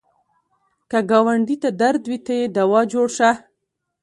که ګاونډي ته درد وي، ته یې دوا جوړ شه